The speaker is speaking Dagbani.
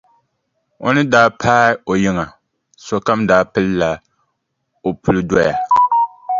O ni daa paai o yiŋa sokam daa pilla o puli doya.